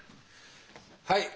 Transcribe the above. はい。